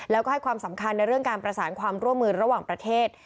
แล้วก็ให้ความสำคัญในเรื่องการประสานความร่วมมือระหว่างประเทศ